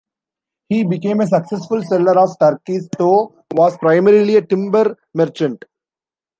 He became a successful seller of turkeys, though was primarily a timber merchant.